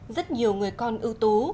rất nhiều người con ưu tú